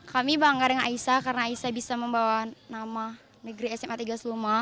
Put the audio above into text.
kami bangga dengan aisa karena aisyah bisa membawa nama negeri sma tiga seluma